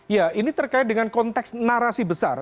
ya ini terkait dengan konteks narasi besar